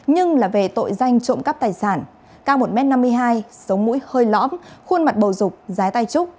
nhưng là về tội danh trộm cắp tài sản cao một m năm mươi hai sống mũi hơi lõm khuôn mặt bầu rục giái tai trúc